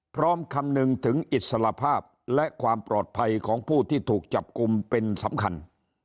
คำนึงถึงอิสระภาพและความปลอดภัยของผู้ที่ถูกจับกลุ่มเป็นสำคัญ